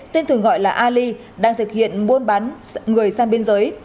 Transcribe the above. tên thường gọi là ali đang thực hiện buôn bán người sang biên giới